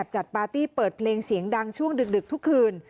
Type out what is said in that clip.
ปาร์ตี้เปิดเพลงเสียงดังช่วงดึกทุกคืน